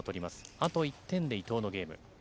あと１点で伊藤のゲーム。